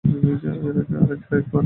আরেক প্যাক বানা?